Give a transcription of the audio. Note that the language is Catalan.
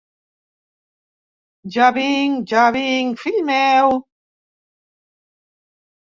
Ja vinc, ja vinc, fill meu!